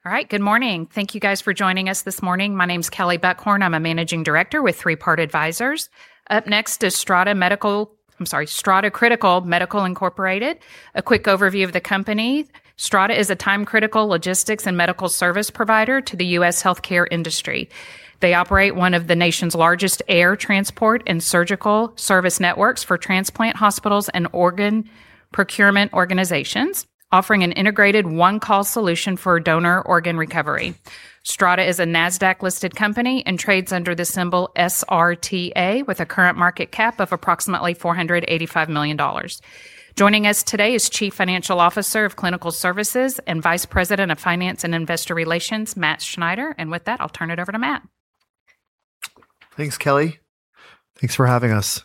Okay. All right. Good morning. Thank you guys for joining us this morning. My name's Kelley Buchhorn. I'm a Managing Director with Three Part Advisors. Up next is Strata Critical Medical Incorporated. A quick overview of the company. Strata is a time-critical logistics and medical service provider to the U.S. healthcare industry. They operate one of the nation's largest air transport and surgical service networks for transplant hospitals and organ procurement organizations, offering an integrated one-call solution for donor organ recovery. Strata is a NASDAQ-listed company and trades under the symbol SRTA, with a current market cap of approximately $485 million. Joining us today is Chief Financial Officer of Clinical Services and Vice President of Finance and Investor Relations, Matt Schneider. With that, I'll turn it over to Matt. Thanks, Kelley. Thanks for having us.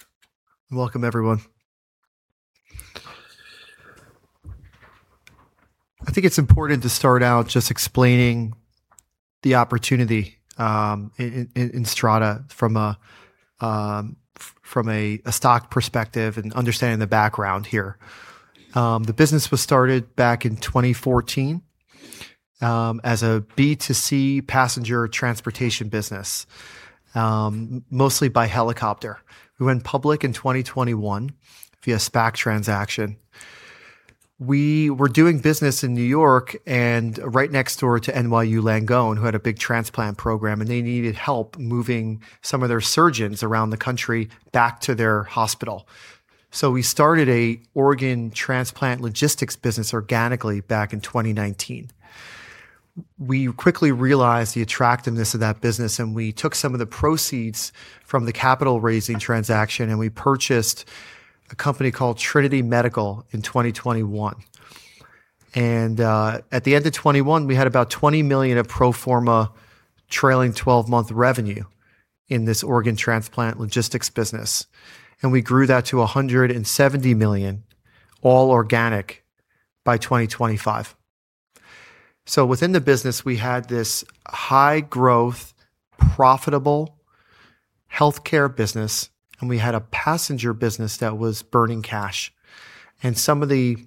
Welcome, everyone. I think it's important to start out just explaining the opportunity in Strata from a stock perspective and understanding the background here. The business was started back in 2014 as a B2C passenger transportation business, mostly by helicopter. We went public in 2021 via SPAC transaction. We were doing business in N.Y. and right next door to NYU Langone Health, who had a big transplant program, and they needed help moving some of their surgeons around the country back to their hospital. We started an organ transplant logistics business organically back in 2019. We quickly realized the attractiveness of that business, and we took some of the proceeds from the capital-raising transaction, and we purchased a company called Trinity Medical Solutions in 2021. At the end of 2021, we had about $20 million of pro forma trailing 12-month revenue in this organ transplant logistics business, and we grew that to $170 million, all organic, by 2025. Within the business, we had this high-growth, profitable healthcare business, and we had a passenger business that was burning cash. Some of the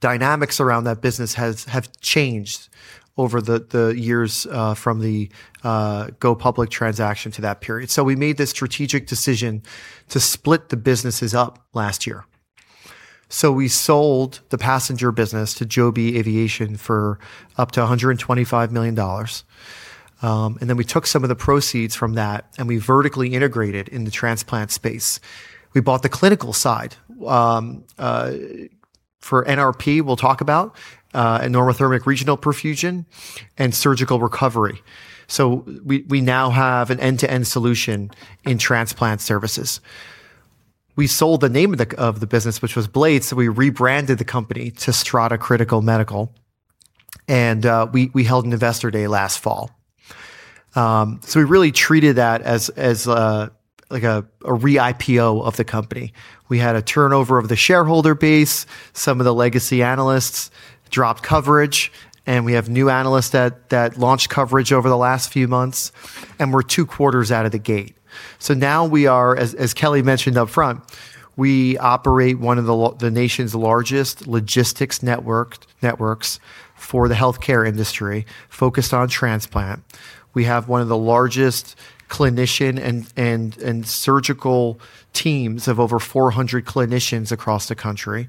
dynamics around that business have changed over the years from the go public transaction to that period. We made the strategic decision to split the businesses up last year. We sold the passenger business to Joby Aviation for up to $125 million. Then we took some of the proceeds from that, and we vertically integrated in the transplant space. We bought the clinical side for NRP, we'll talk about, normothermic regional perfusion and surgical recovery. We now have an end-to-end solution in transplant services. We sold the name of the business, which was Blade, we rebranded the company to Strata Critical Medical, and we held an investor day last fall. We really treated that as a re-IPO of the company. We had a turnover of the shareholder base. Some of the legacy analysts dropped coverage, and we have new analysts that launched coverage over the last few months, and we're two quarters out of the gate. Now we are, as Kelley mentioned up front, we operate one of the nation's largest logistics networks for the healthcare industry focused on transplant. We have one of the largest clinician and surgical teams of over 400 clinicians across the country,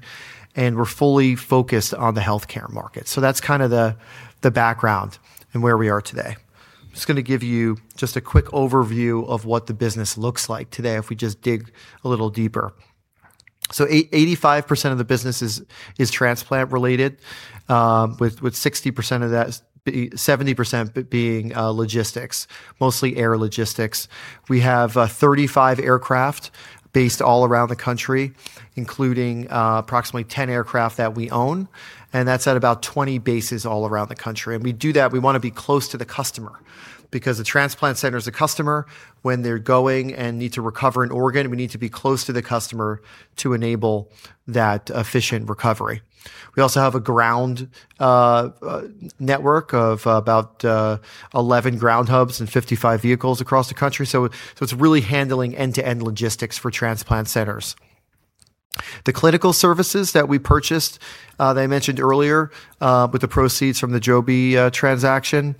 and we're fully focused on the healthcare market. That's kind of the background and where we are today. I'm just going to give you just a quick overview of what the business looks like today if we just dig a little deeper. 85% of the business is transplant-related, with 70% being logistics, mostly air logistics. We have 35 aircraft based all around the country, including approximately 10 aircraft that we own, and that's at about 20 bases all around the country. We do that, we want to be close to the customer because the transplant center is a customer when they're going and need to recover an organ, we need to be close to the customer to enable that efficient recovery. We also have a ground network of about 11 ground hubs and 55 vehicles across the country. It's really handling end-to-end logistics for transplant centers. The clinical services that we purchased, that I mentioned earlier, with the proceeds from the Joby transaction,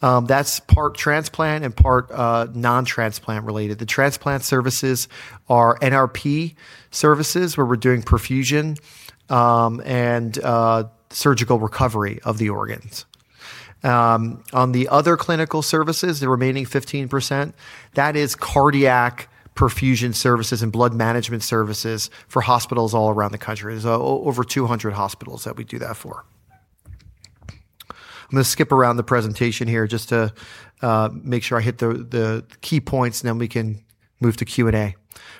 that's part transplant and part non-transplant related. The transplant services are NRP services, where we're doing perfusion and surgical recovery of the organs. On the other clinical services, the remaining 15%, that is cardiac perfusion services and blood management services for hospitals all around the country. There's over 200 hospitals that we do that for. I'm going to skip around the presentation here just to make sure I hit the key points, and then we can move to Q&A.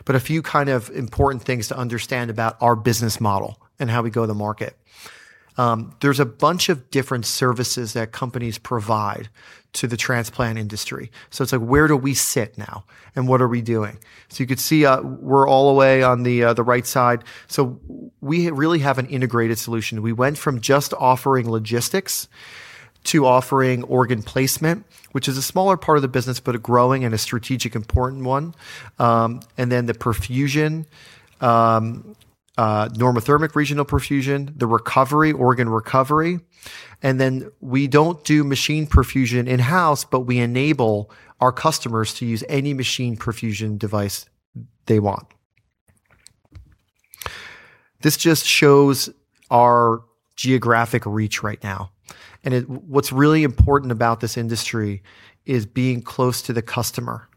A few kind of important things to understand about our business model and how we go to market. There's a bunch of different services that companies provide to the transplant industry. It's like, where do we sit now, and what are we doing? You can see, we're all the way on the right side. We really have an integrated solution. We went from just offering logistics to offering organ placement, which is a smaller part of the business, but a growing and a strategic important one. The perfusion, normothermic regional perfusion, the recovery, organ recovery. We don't do machine perfusion in-house, but we enable our customers to use any machine perfusion device they want. This just shows our geographic reach right now, and what's really important about this industry is being close to the customer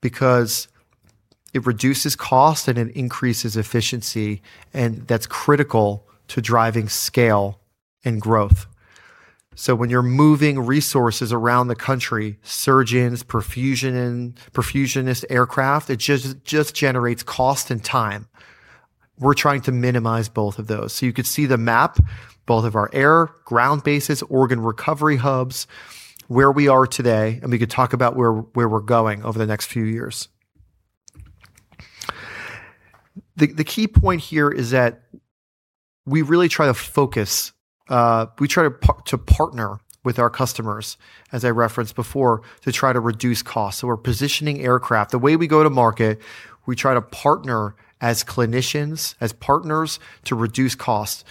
because it reduces cost and it increases efficiency, and that's critical to driving scale and growth. When you're moving resources around the country, surgeons, perfusionist, aircraft, it just generates cost and time. We're trying to minimize both of those. You could see the map, both of our air, ground bases, organ recovery hubs, where we are today, and we could talk about where we're going over the next few years. The key point here is that we really try to partner with our customers, as I referenced before, to try to reduce costs. We're positioning aircraft. The way we go to market, we try to partner as clinicians, as partners to reduce costs.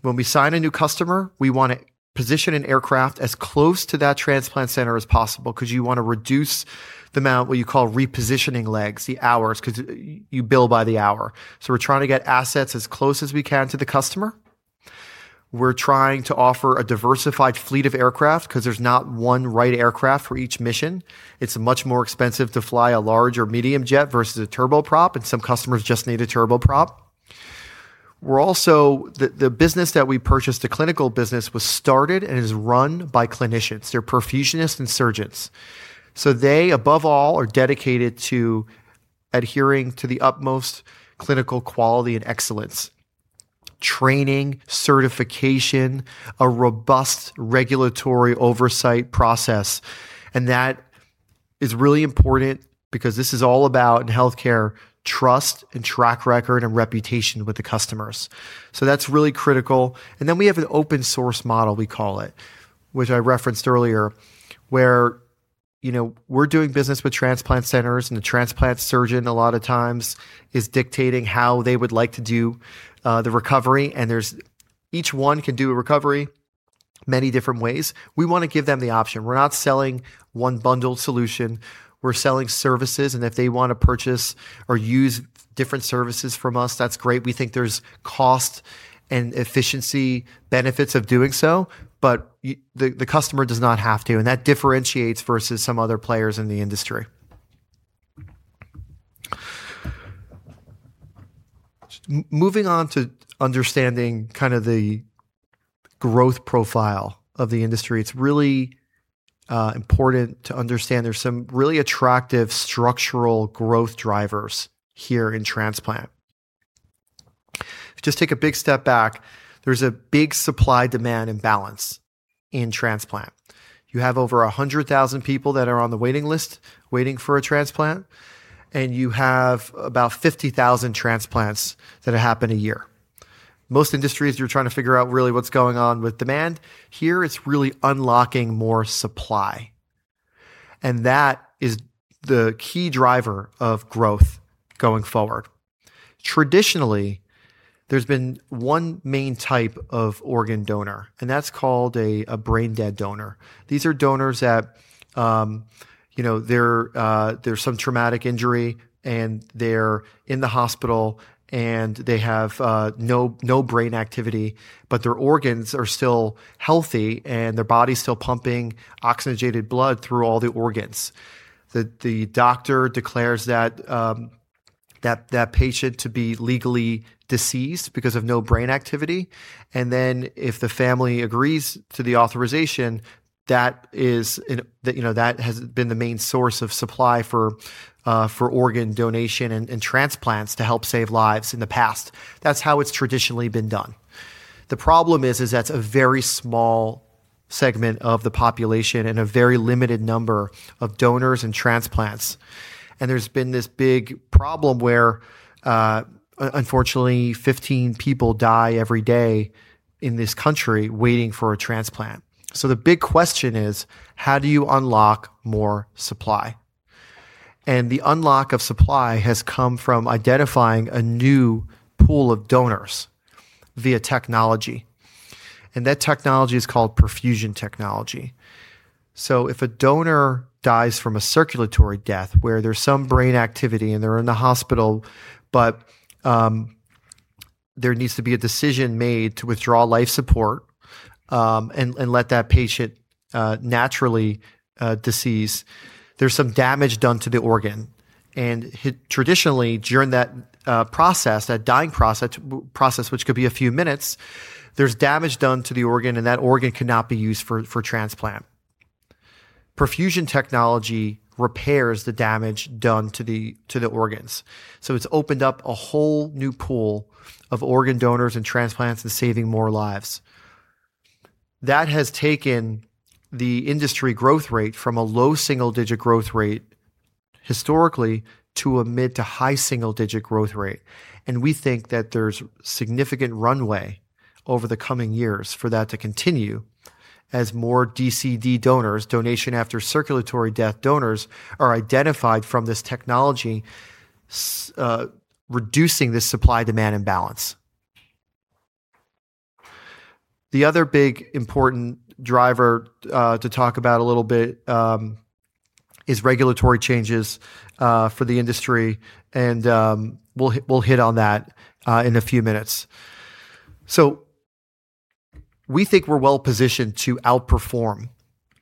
When we sign a new customer, we want to position an aircraft as close to that transplant center as possible because you want to reduce the amount, what you call repositioning legs, the hours, because you bill by the hour. We're trying to get assets as close as we can to the customer. We're trying to offer a diversified fleet of aircraft because there's not one right aircraft for each mission. It's much more expensive to fly a large or medium jet versus a turboprop, some customers just need a turboprop. The business that we purchased, the clinical business, was started and is run by clinicians. They're perfusionists and surgeons. They, above all, are dedicated to adhering to the utmost clinical quality and excellence. Training, certification, a robust regulatory oversight process, that is really important because this is all about, in healthcare, trust and track record and reputation with the customers. That's really critical. Then we have an open source model, we call it, which I referenced earlier, where we're doing business with transplant centers, the transplant surgeon a lot of times is dictating how they would like to do the recovery, and each one can do a recovery many different ways. We want to give them the option. We're not selling one bundled solution. We're selling services, if they want to purchase or use different services from us, that's great. We think there's cost and efficiency benefits of doing so, the customer does not have to, that differentiates versus some other players in the industry. Moving on to understanding the growth profile of the industry, it's really important to understand there's some really attractive structural growth drivers here in transplant. Just take a big step back. There's a big supply-demand imbalance in transplant. You have over 100,000 people that are on the waiting list waiting for a transplant, you have about 50,000 transplants that happen a year. Most industries are trying to figure out really what's going on with demand. Here, it's really unlocking more supply, that is the key driver of growth going forward. Traditionally, there's been one main type of organ donor, that's called a brain-dead donor. These are donors that there's some traumatic injury, they're in the hospital, they have no brain activity, their organs are still healthy, their body's still pumping oxygenated blood through all the organs. The doctor declares that patient to be legally deceased because of no brain activity, then if the family agrees to the authorization, that has been the main source of supply for organ donation and transplants to help save lives in the past. That's how it's traditionally been done. The problem is that's a very small segment of the population and a very limited number of donors and transplants, there's been this big problem where, unfortunately, 15 people die every day in this country waiting for a transplant. The big question is: how do you unlock more supply? The unlock of supply has come from identifying a new pool of donors via technology, that technology is called perfusion technology. If a donor dies from a circulatory death where there's some brain activity they're in the hospital, there needs to be a decision made to withdraw life support, and let that patient naturally decease, there's some damage done to the organ. Traditionally, during that process, that dying process, which could be a few minutes, there's damage done to the organ, that organ cannot be used for transplant. Perfusion technology repairs the damage done to the organs, it's opened up a whole new pool of organ donors and transplants and saving more lives. That has taken the industry growth rate from a low single-digit growth rate historically to a mid- to high single-digit growth rate, we think that there's significant runway over the coming years for that to continue as more DCD donors, donation after circulatory death donors, are identified from this technology, reducing this supply-demand imbalance. The other big important driver to talk about a little bit is regulatory changes for the industry, we'll hit on that in a few minutes. We think we're well-positioned to outperform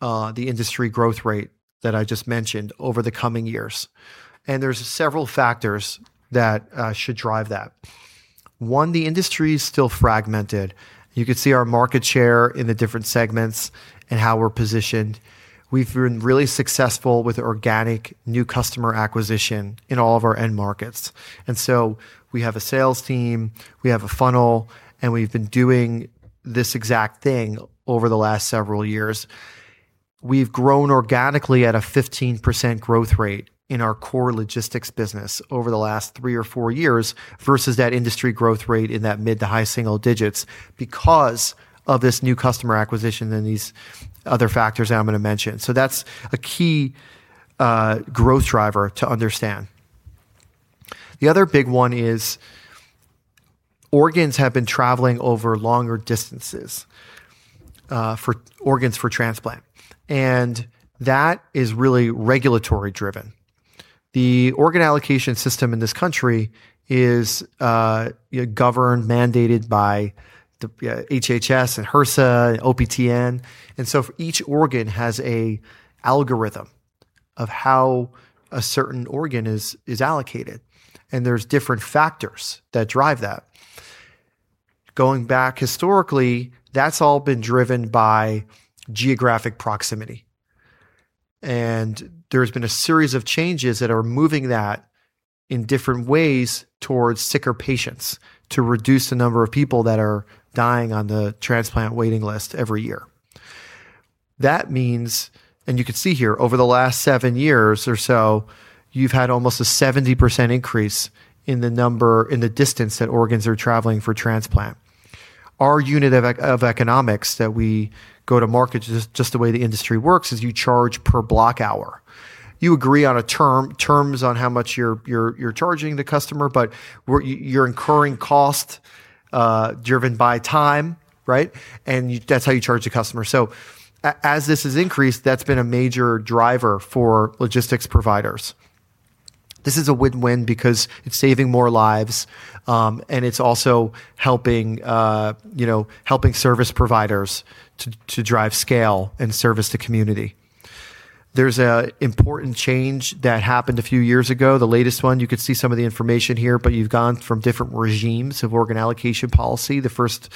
the industry growth rate that I just mentioned over the coming years, there's several factors that should drive that. One, the industry is still fragmented. You can see our market share in the different segments and how we're positioned. We've been really successful with organic new customer acquisition in all of our end markets, we have a sales team, we have a funnel, we've been doing this exact thing over the last several years. We've grown organically at a 15% growth rate in our core logistics business over the last three or four years versus that industry growth rate in that mid- to high single digits because of this new customer acquisition and these other factors that I'm going to mention. That's a key growth driver to understand. The other big one is organs have been traveling over longer distances, organs for transplant, that is really regulatory driven. The organ allocation system in this country is governed, mandated by the HHS and HRSA and OPTN, each organ has an algorithm of how a certain organ is allocated, there's different factors that drive that. Going back historically, that's all been driven by geographic proximity, there's been a series of changes that are moving that in different ways towards sicker patients to reduce the number of people that are dying on the transplant waiting list every year. That means, you can see here, over the last seven years or so, you've had almost a 70% increase in the distance that organs are traveling for transplant. Our unit of economics that we go to market, just the way the industry works, is you charge per block hour. You agree on terms on how much you're charging the customer, you're incurring cost driven by time, right? That's how you charge a customer. As this has increased, that's been a major driver for logistics providers. This is a win-win because it's saving more lives, it's also helping service providers to drive scale and service the community. There's an important change that happened a few years ago. The latest one, you could see some of the information here, you've gone from different regimes of organ allocation policy. The first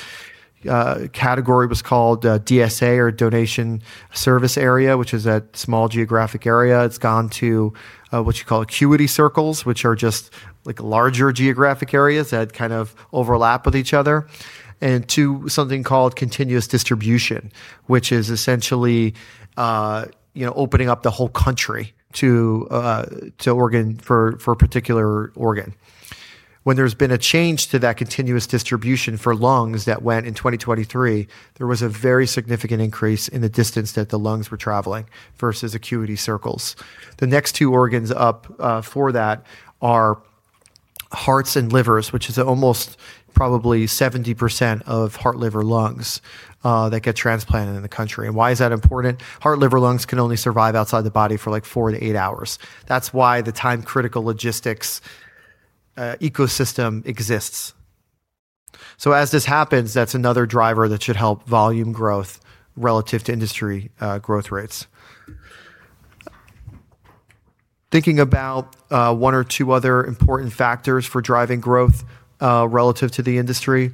category was called DSA or donation service area, which is that small geographic area. It's gone to what you call acuity circles, which are just larger geographic areas that kind of overlap with each other, to something called continuous distribution, which is essentially opening up the whole country for a particular organ. When there's been a change to that continuous distribution for lungs that went in 2023, there was a very significant increase in the distance that the lungs were traveling versus acuity circles. The next two organs up for that are hearts and livers, which is almost probably 70% of heart, liver, lungs that get transplanted in the country. Why is that important? Heart, liver, lungs can only survive outside the body for four to eight hours. That's why the time-critical logistics ecosystem exists. As this happens, that's another driver that should help volume growth relative to industry growth rates. Thinking about one or two other important factors for driving growth relative to the industry.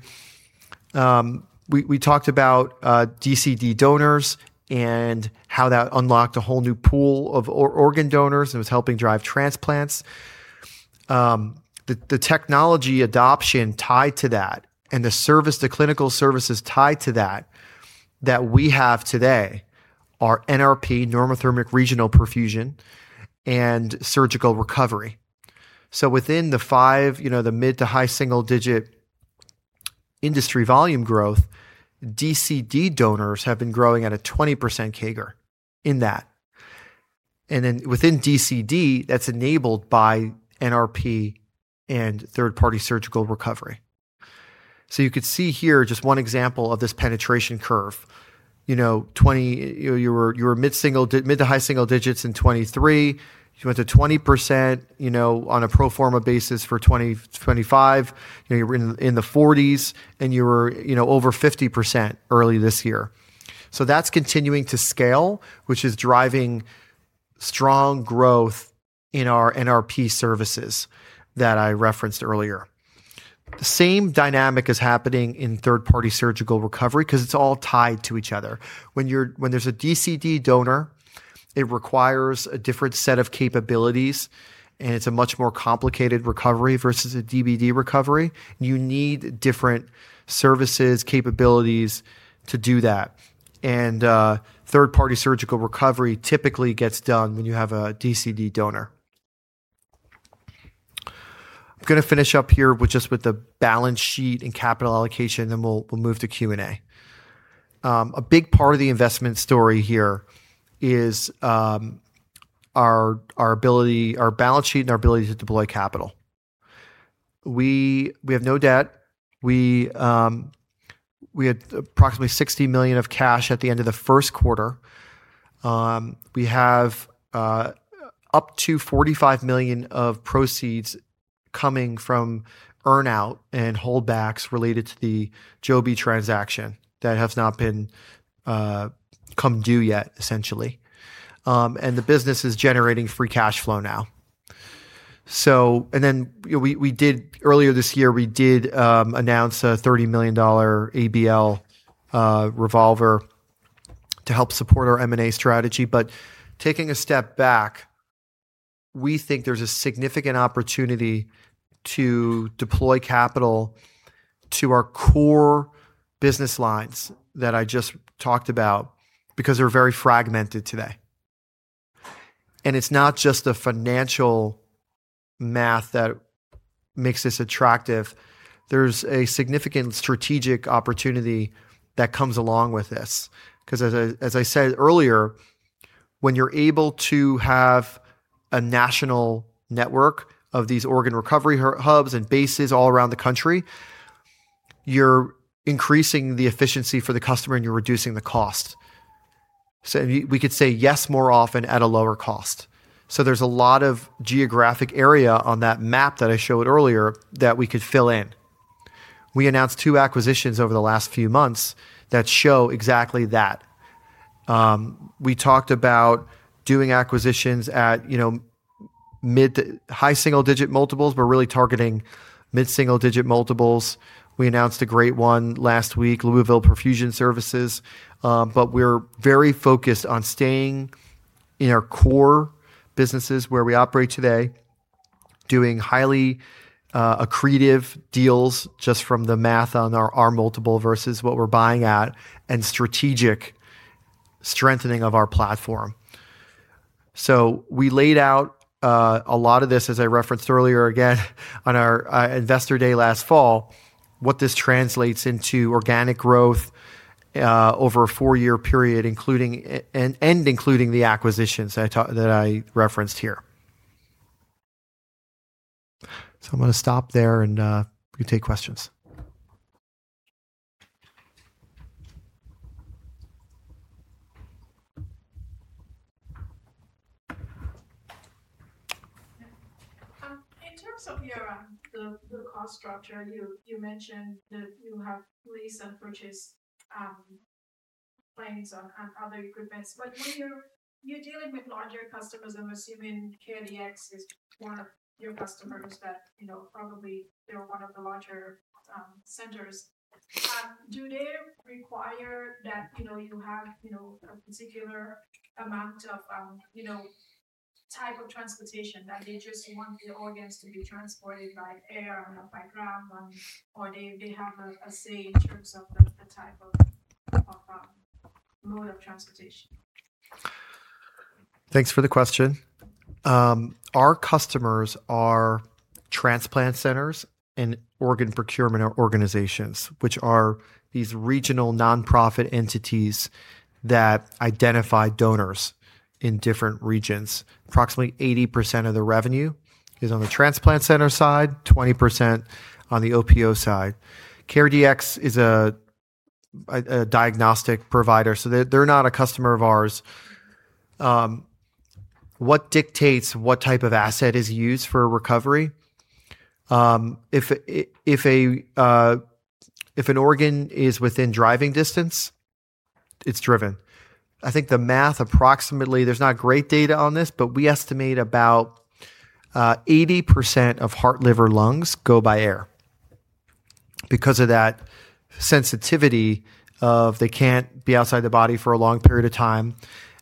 We talked about DCD donors and how that unlocked a whole new pool of organ donors and was helping drive transplants. The technology adoption tied to that and the clinical services tied to that we have today are NRP, normothermic regional perfusion, and surgical recovery. Within the five, the mid to high single-digit industry volume growth, DCD donors have been growing at a 20% CAGR in that. Then within DCD, that's enabled by NRP and third-party surgical recovery. You could see here just one example of this penetration curve. You were mid to high single digits in 2023. You went to 20% on a pro forma basis for 2025. You're in the 40s, and you were over 50% early this year. That's continuing to scale, which is driving strong growth in our NRP services that I referenced earlier. The same dynamic is happening in third-party surgical recovery because it's all tied to each other. When there's a DCD donor, it requires a different set of capabilities. And it's a much more complicated recovery versus a DBD recovery. You need different services, capabilities to do that. Third-party surgical recovery typically gets done when you have a DCD donor. I'm going to finish up here with just the balance sheet and capital allocation, then we'll move to Q&A. A big part of the investment story here is our balance sheet and our ability to deploy capital. We have no debt. We had approximately $60 million of cash at the end of the first quarter. We have up to $45 million of proceeds coming from earn-out and holdbacks related to the Joby transaction that have not come due yet, essentially. The business is generating free cash flow now. Earlier this year, we did announce a $30 million ABL revolver to help support our M&A strategy. Taking a step back, we think there's a significant opportunity to deploy capital to our core business lines that I just talked about because they're very fragmented today. It's not just the financial math that makes this attractive. There's a significant strategic opportunity that comes along with this, because as I said earlier, when you're able to have a national network of these organ recovery hubs and bases all around the country, you're increasing the efficiency for the customer and you're reducing the cost. We could say yes more often at a lower cost. There's a lot of geographic area on that map that I showed earlier that we could fill in. We announced two acquisitions over the last few months that show exactly that. We talked about doing acquisitions at high single-digit multiples, but really targeting mid single-digit multiples. We announced a great one last week, Louisville Perfusion Services. We're very focused on staying in our core businesses where we operate today, doing highly accretive deals just from the math on our multiple versus what we're buying at, and strategic strengthening of our platform. We laid out a lot of this, as I referenced earlier again on our investor day last fall, what this translates into organic growth over a four-year period, and including the acquisitions that I referenced here. I'm going to stop there, and we can take questions. In terms of the cost structure, you mentioned that you have leased and purchased planes and other equipment. When you're dealing with larger customers, I'm assuming CareDx is one of your customers that probably they're one of the larger centers. Do they require that you have a particular amount of type of transportation, that they just want the organs to be transported by air or by ground, or they have a say in terms of the type of mode of transportation? Thanks for the question. Our customers are transplant centers and organ procurement organizations, which are these regional nonprofit entities that identify donors in different regions. Approximately 80% of the revenue is on the transplant center side, 20% on the OPO side. CareDx is a diagnostic provider, they're not a customer of ours. What dictates what type of asset is used for a recovery? If an organ is within driving distance, it's driven. I think the math approximately, there's not great data on this, but we estimate about 80% of heart, liver, lungs go by air because of that sensitivity of they can't be outside the body for a long period of time,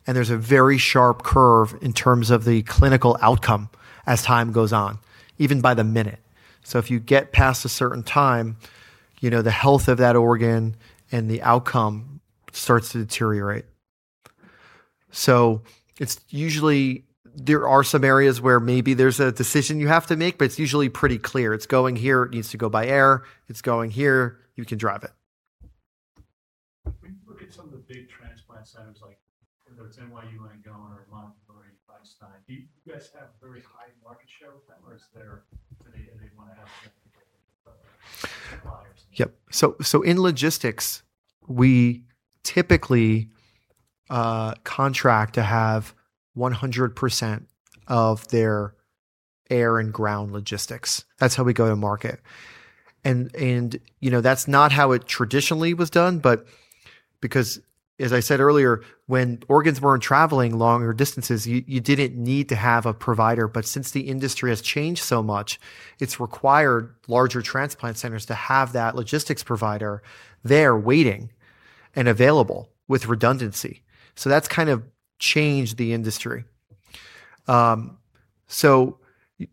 and there's a very sharp curve in terms of the clinical outcome as time goes on, even by the minute. If you get past a certain time, the health of that organ and the outcome starts to deteriorate. There are some areas where maybe there's a decision you have to make, but it's usually pretty clear. It's going here, it needs to go by air. It's going here, you can drive it. When you look at some of the big transplant centers, like whether it's NYU Langone or Montefiore Einstein, do you guys have very high market share with them, or they want to have suppliers? Yep. In logistics, we typically contract to have 100% of their air and ground logistics. That's how we go to market. That's not how it traditionally was done, because as I said earlier, when organs weren't traveling longer distances, you didn't need to have a provider. Since the industry has changed so much, it's required larger transplant centers to have that logistics provider there waiting and available with redundancy. That's changed the industry.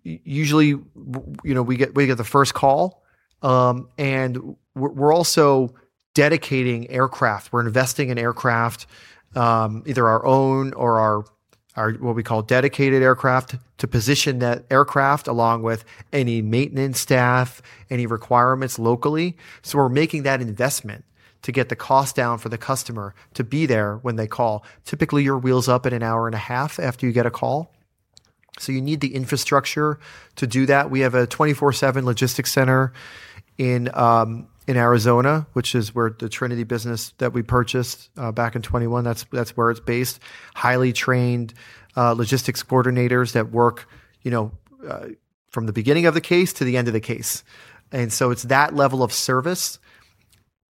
Usually, we get the first call, and we're also dedicating aircraft. We're investing in aircraft, either our own or what we call dedicated aircraft, to position that aircraft along with any maintenance staff, any requirements locally. We're making that investment to get the cost down for the customer to be there when they call. Typically, you're wheels up in an hour and a half after you get a call, you need the infrastructure to do that. We have a 24/7 logistics center in Arizona, which is where the Trinity business that we purchased back in 2021, that's where it's based. Highly trained logistics coordinators that work from the beginning of the case to the end of the case. It's that level of service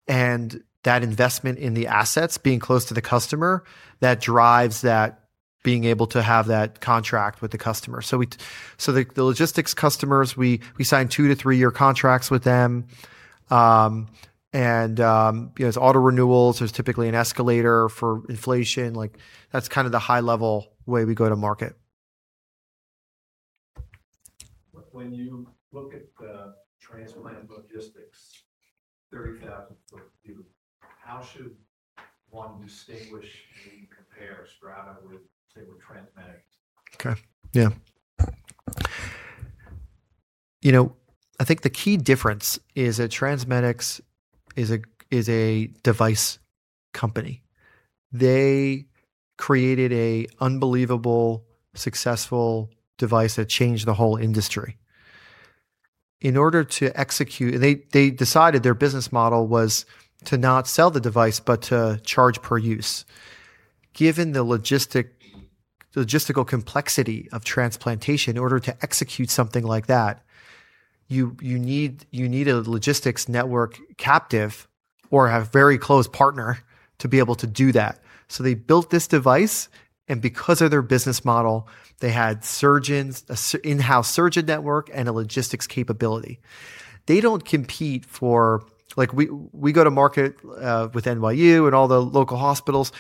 and that investment in the assets, being close to the customer, that drives that being able to have that contract with the customer. The logistics customers, we sign two to three-year contracts with them, and there's auto renewals. There's typically an escalator for inflation. That's the high-level way we go to market. When you look at the transplant logistics, 30,000-foot view, how should one distinguish and compare Strata with, say, with TransMedics? Okay. Yeah. I think the key difference is that TransMedics is a device company. They created a unbelievably successful device that changed the whole industry. They decided their business model was to not sell the device, but to charge per use. Given the logistical complexity of transplantation, in order to execute something like that, you need a logistics network captive or have very close partner to be able to do that. They built this device, and because of their business model, they had in-house surgeon network, and a logistics capability. We go to market with NYU and all the local hospitals.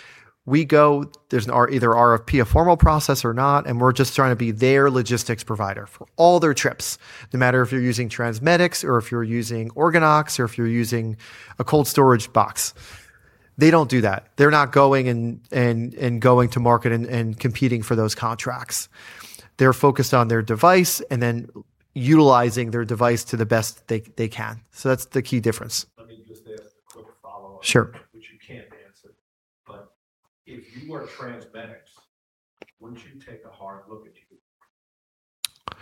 We go, there's either RFP, a formal process or not, and we're just trying to be their logistics provider for all their trips. No matter if you're using TransMedics or if you're using OrganOx or if you're using a cold storage box, they don't do that. They're not going and going to market and competing for those contracts. They're focused on their device and then utilizing their device to the best they can. That's the key difference. Let me just ask a quick follow-up. Sure which you can't answer. If you were TransMedics, wouldn't you take a hard look at you?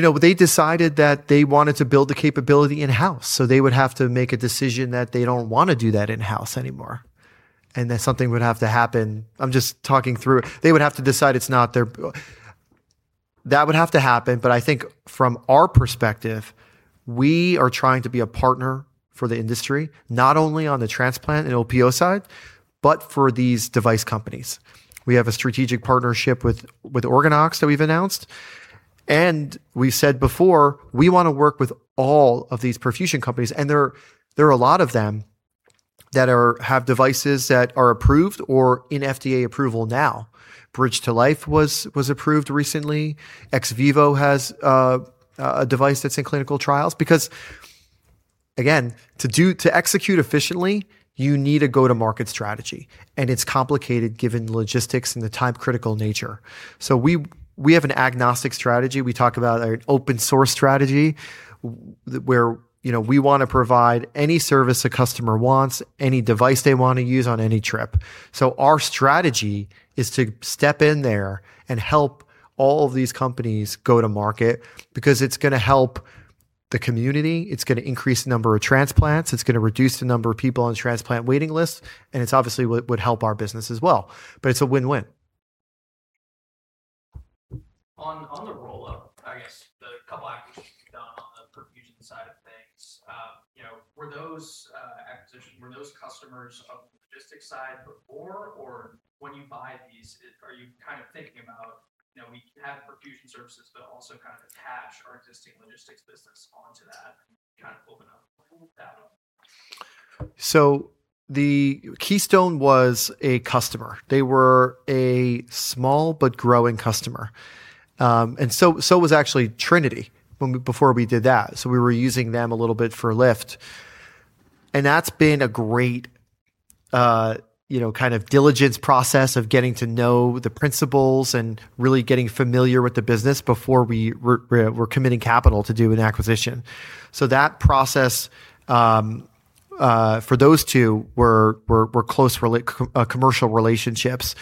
They decided that they wanted to build the capability in-house. They would have to make a decision that they don't want to do that in-house anymore, and that something would have to happen. I'm just talking through it. That would have to happen, but I think from our perspective, we are trying to be a partner for the industry, not only on the transplant and OPO side, but for these device companies. We have a strategic partnership with OrganOx that we've announced, and we've said before, we want to work with all of these perfusion companies, and there are a lot of them that have devices that are approved or in FDA approval now. Bridge to Life was approved recently. XVIVO has a device that's in clinical trials. Again, to execute efficiently, you need a go-to-market strategy, and it's complicated given the logistics and the time-critical nature. We have an agnostic strategy. We talk about an open-source strategy, where we want to provide any service a customer wants, any device they want to use on any trip. Our strategy is to step in there and help all of these companies go to market because it's going to help the community, it's going to increase the number of transplants, it's going to reduce the number of people on transplant waiting lists, and it obviously would help our business as well, but it's a win-win. On the roll-up, I guess the couple acquisitions you've done on the perfusion side of things, were those customers of the logistics side before? When you buy these, are you thinking about, we have perfusion services, but also attach our existing logistics business onto that, kind of open up that? The Keystone was a customer. They were a small but growing customer. Actually Trinity was before we did that, so we were using them a little bit for lift. That's been a great diligence process of getting to know the principles and really getting familiar with the business before we're committing capital to do an acquisition. That process, for those two, were close commercial relationships.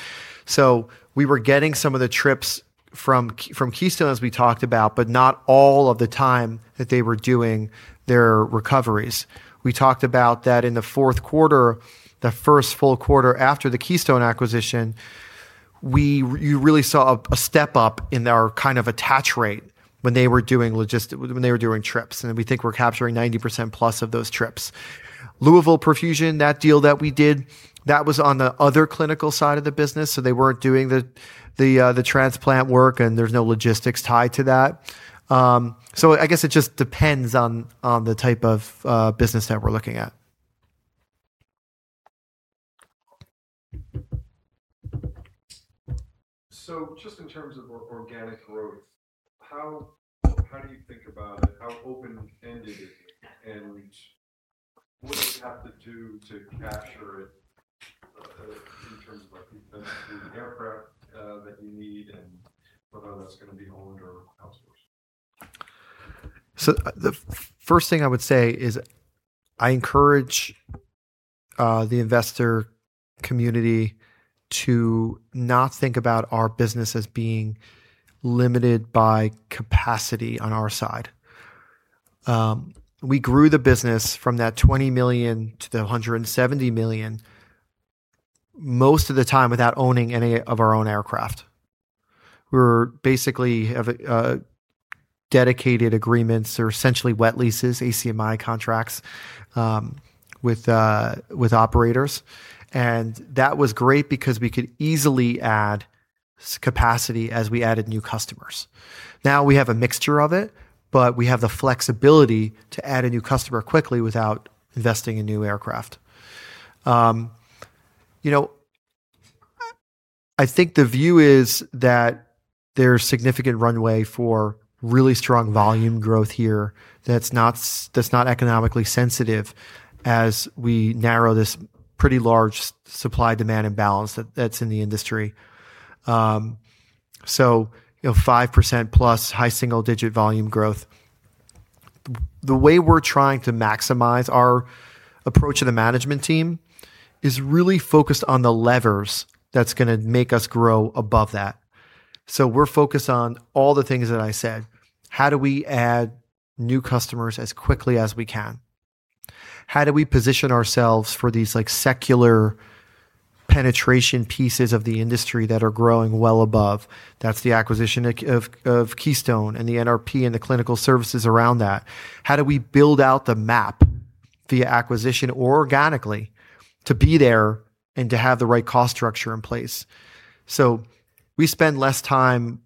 We were getting some of the trips from Keystone, as we talked about, but not all of the time that they were doing their recoveries. We talked about that in the fourth quarter, the first full quarter after the Keystone acquisition, you really saw a step-up in our attach rate when they were doing trips, and we think we're capturing 90%+ of those trips. Louisville Perfusion, that deal that we did, that was on the other clinical side of the business, they weren't doing the transplant work, and there's no logistics tied to that. I guess it just depends on the type of business that we're looking at. Just in terms of organic growth, how do you think about it? How open-ended is it, and what do you have to do to capture it in terms of the aircraft that you need and whether that's going to be owned or outsourced? The first thing I would say is I encourage the investor community to not think about our business as being limited by capacity on our side. We grew the business from that $20 million to the $170 million most of the time without owning any of our own aircraft. We basically have dedicated agreements or essentially wet leases, ACMI contracts, with operators, and that was great because we could easily add capacity as we added new customers. Now we have a mixture of it, but we have the flexibility to add a new customer quickly without investing in new aircraft. I think the view is that there's significant runway for really strong volume growth here that's not economically sensitive as we narrow this pretty large supply-demand imbalance that's in the industry. 5%+ high single-digit volume growth. The way we're trying to maximize our approach to the management team is really focused on the levers that's going to make us grow above that. We're focused on all the things that I said. How do we add new customers as quickly as we can? How do we position ourselves for these secular penetration pieces of the industry that are growing well above? That's the acquisition of Keystone and the NRP and the clinical services around that. How do we build out the map via acquisition organically to be there and to have the right cost structure in place? We spend less time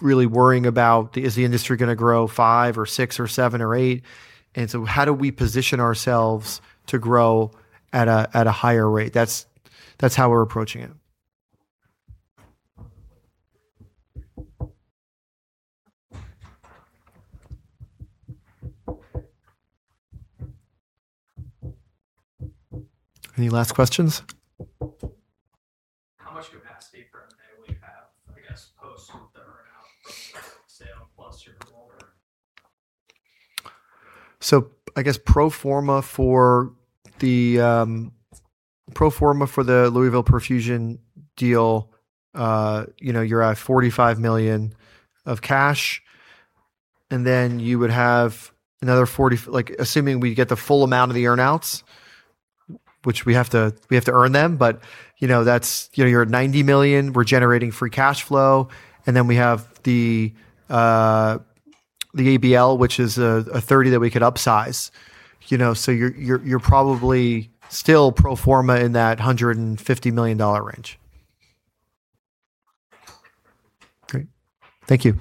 really worrying about, is the industry going to grow five or six or seven or eight? How do we position ourselves to grow at a higher rate? That's how we're approaching it. Any last questions? How much capacity for M&A do you have, I guess, post the earn-out sale plus your order? I guess pro forma for the Louisville Perfusion deal, you're at $45 million of cash, and then you would have another $40 million, assuming we get the full amount of the earn-outs, which we have to earn them, but you're at $90 million. We're generating free cash flow, and then we have the ABL, which is a $30 million that we could upsize. You're probably still pro forma in that $150 million range. Great. Thank you.